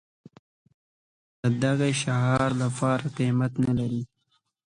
خو د دغه شعار لپاره قيمت نه لرو.